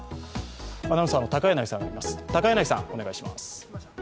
アナウンサーの高柳さんいます。